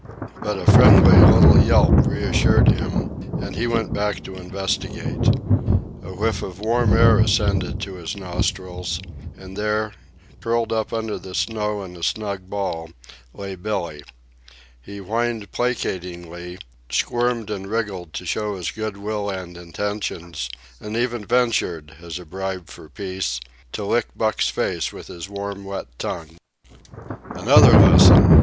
But a friendly little yelp reassured him, and he went back to investigate. A whiff of warm air ascended to his nostrils, and there, curled up under the snow in a snug ball, lay Billee. He whined placatingly, squirmed and wriggled to show his good will and intentions, and even ventured, as a bribe for peace, to lick Buck's face with his warm wet tongue. Another lesson.